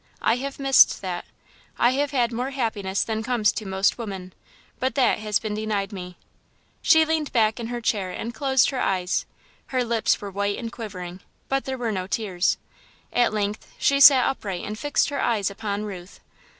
I have missed that. I have had more happiness than comes to most women, but that has been denied me." She leaned back in her chair and closed her eyes. Her lips were white and quivering, but there were no tears. At length she sat upright and fixed her eyes upon Ruth.